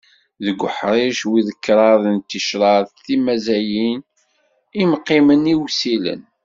Deg uḥric wis kraḍ d ticraḍ timazzayin: imqimen iwsilen.